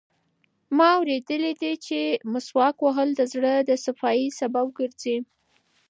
ما اورېدلي دي چې مسواک وهل د زړه د صفایي سبب ګرځي.